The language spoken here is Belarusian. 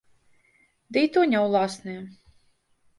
Дый то не ўласныя.